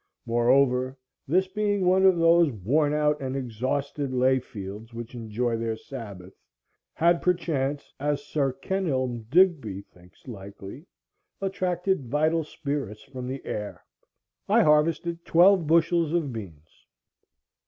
Moreover, this being one of those "worn out and exhausted lay fields which enjoy their sabbath," had perchance, as Sir Kenelm Digby thinks likely, attracted "vital spirits" from the air. I harvested twelve bushels of beans.